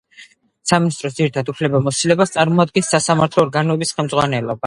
სამინისტროს ძირითად უფლებამოსილებას წარმოადგენდა სასამართლო ორგანოების ხელმძღვანელობა.